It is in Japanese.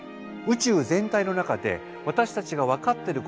宇宙全体の中で私たちが分かってる